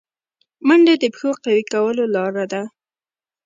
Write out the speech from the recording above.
منډه د پښو قوي کولو لاره ده